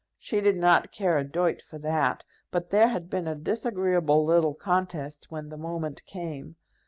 She did not care a doit for that, but there had been a disagreeable little contest when the moment came.